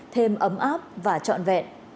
thêm ấm áp và trọn vẹn